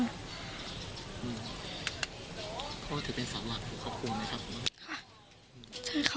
พ่อถือเป็นสาวหลักของเขาควรไหมครับ